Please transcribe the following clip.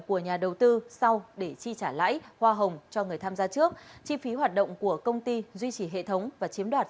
của nhà đầu tư sau để chi trả lãi hoa hồng cho người tham gia trước chi phí hoạt động của công ty duy trì hệ thống và chiếm đoạt